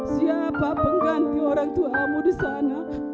siapa pengganti orang tuamu di sana